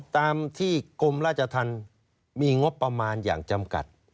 ตามที่กรมราชธรรมมีงบประมาณอย่างจำกัด